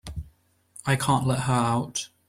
I can't let her out.